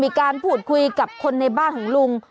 มีการพูดคุยกับคนในบ้านของลุง